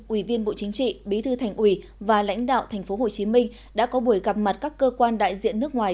ủy viên bộ chính trị bí thư thành ủy và lãnh đạo tp hcm đã có buổi gặp mặt các cơ quan đại diện nước ngoài